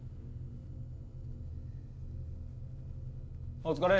お疲れ。